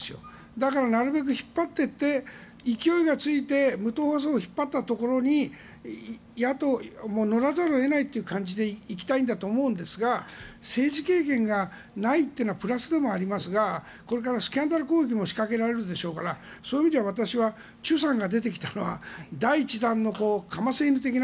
だからなるべく引っ張っていって勢いがついて無党派層を引っ張ったところに野党にならざるを得ないという感じで行きたいんだと思いますが政治経験がないっていうのはプラスでもありますがこれからスキャンダル攻撃も仕掛けられるでしょうからそういう意味では私はチョさんが出てきたのは第１弾のかませ犬的な。